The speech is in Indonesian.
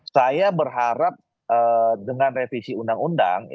saya berharap dengan revisi undang undang